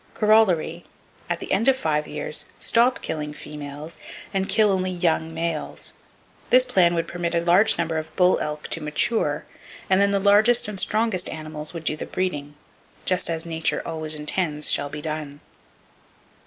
Corollary.—At the end of five years, stop killing females, and kill only young males. This plan would permit a large number of bull elk to mature; and then the largest and strongest animals would do the breeding,—just as Nature always intends shall be done.